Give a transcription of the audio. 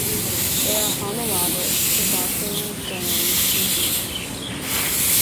They are homologous to Bartholin's glands in females.